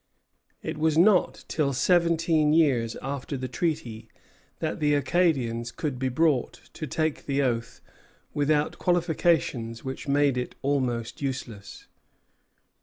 It was not till seventeen years after the treaty that the Acadians could be brought to take the oath without qualifications which made it almost useless.